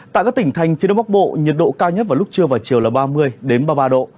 tại các tỉnh thành phía đông bắc bộ nhiệt độ cao nhất vào lúc trưa và chiều là ba mươi ba mươi ba độ